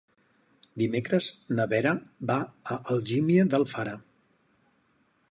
Dimecres na Vera va a Algímia d'Alfara.